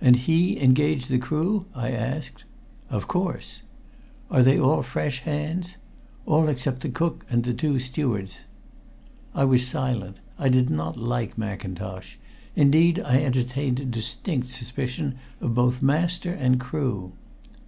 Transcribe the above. "And he engaged the crew?" I asked. "Of course." "Are they all fresh hands?" "All except the cook and the two stewards." I was silent. I did not like Mackintosh. Indeed, I entertained a distinct suspicion of both master and crew.